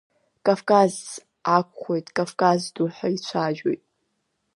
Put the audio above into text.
Кавк-азз акәхоит, кавк-ду ҳәа ицәажәоит…